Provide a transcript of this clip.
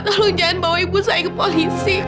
lalu jangan bawa ibu saya ke polisi